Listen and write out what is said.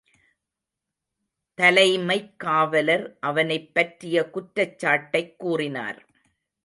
தலைமைக் காவலர் அவனைப் பற்றிய குற்றச் சாட்டைக் கூறினார்.